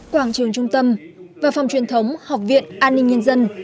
quảng trường trung tâm và phòng truyền thống học viện an ninh nhân dân